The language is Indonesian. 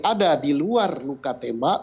ada di luar luka tembak